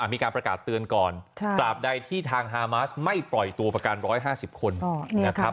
มีการประกาศเตือนก่อนตราบใดที่ทางฮามาสไม่ปล่อยตัวประกัน๑๕๐คนนะครับ